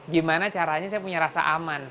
gimana caranya saya punya rasa aman